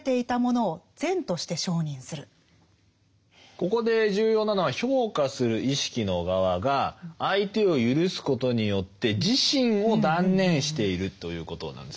ここで重要なのは評価する意識の側が相手を赦すことによって自身を断念しているということなんです。